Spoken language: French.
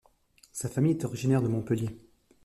Sa famille est originaire de Montpellier.